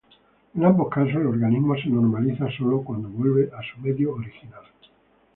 En ambos casos, el organismo se normaliza solo cuando vuelve a su medio original.